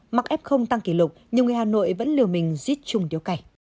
mặc ép không tăng kỷ lục nhiều người hà nội vẫn lừa mình giết chung đéo cày